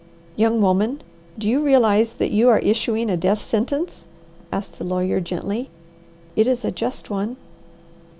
"Young woman, do you realize that you are issuing a death sentence?" asked the lawyer gently. "It is a just one."